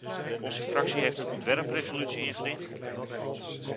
Onze fractie heeft een ontwerpresolutie ingediend.